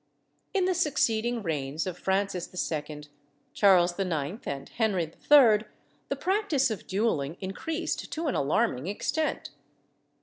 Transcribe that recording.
In the succeeding reigns of Francis II., Charles IX., and Henry III., the practice of duelling increased to an alarming extent.